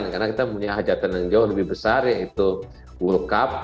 karena kita punya hajatan yang jauh lebih besar yaitu world cup